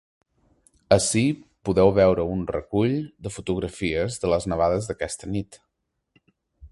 Ací podeu veure un recull de fotografies de les nevades d’aquesta nit.